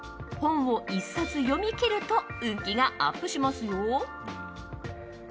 本を１冊読み切ると運気がアップしますよ。